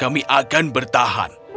kami akan bertahan